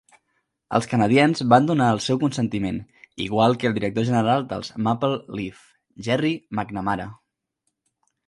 Els Canadiens van donar el seu consentiment, igual que el director general dels Maple Leaf, Gerry McNamara.